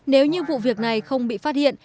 nếu như vụ việc này không bị phát hiện